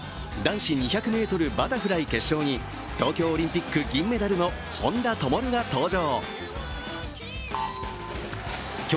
男子２００ｍバタフライ決勝では、東京オリンピック銀メダルの本多灯が登場。